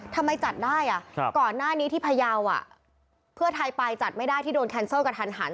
ทำไมจัดได้ก่อนหน้านี้ที่พยาวเพื่อไทยไปจัดไม่ได้ที่โดนแคนเซิลกระทันหัน